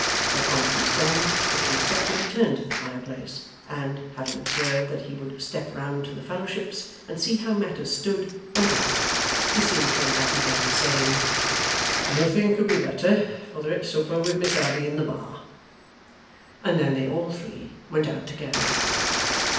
Their conference done, Mr Inspector returned to the fireplace, and, having observed that he would step round to the Fellowships and see how matters stood, went out. He soon came back again, saying, 'Nothing could be better, for they're at supper with Miss Abbey in the bar;' and then they all three went out together.